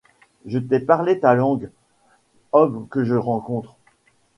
Je t’ai parlé ta langue, homme que je rencontre.